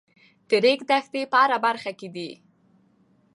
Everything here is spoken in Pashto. د ریګ دښتې په هره برخه کې دي.